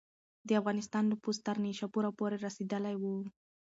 د افغانستان نفوذ تر نیشاپوره پورې رسېدلی و.